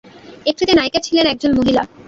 একটিতে নায়িকা ছিলেন একজন মহিলা।